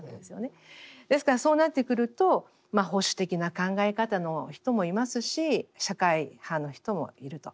ですからそうなってくると保守的な考え方の人もいますし社会派の人もいると。